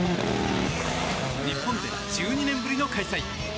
日本で１２年ぶりの開催。